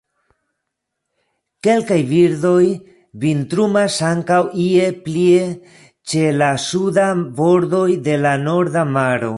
Kelkaj birdoj vintrumas ankaŭ ie plie ĉe la sudaj bordoj de la Norda Maro.